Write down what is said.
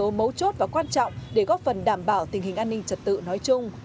đây chính là yếu tố mấu chốt và quan trọng để góp phần đảm bảo tình hình an ninh trật tự nói chung